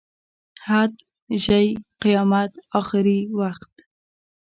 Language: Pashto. حد، ژۍ، قیامت، اخري وخت.